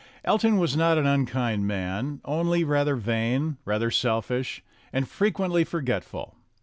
Elton was not an unkind man, only rather vain, rather selfish, and frequently forgetful.